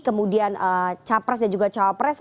kemudian capres dan juga cawapres